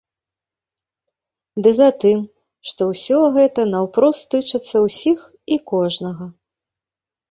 Ды затым, што ўсё гэта наўпрост тычацца ўсіх і кожнага.